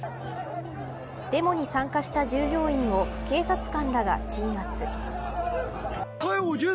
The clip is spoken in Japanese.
デモに参加した従業員を警察官らが鎮圧。